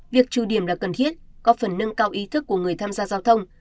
việc trù điểm là cần thiết có phần nâng cao ý thức của người tham gia giao thông